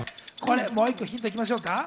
もう１個、ヒント行きましょう。